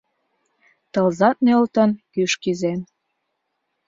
Тылзат нӧлтын, кӱш кӱзен.